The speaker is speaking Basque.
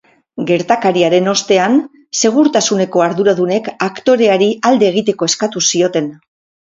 Gertakariaren ostean, segurtasuneko arduradunek aktoreari alde egiteko eskatu zioten.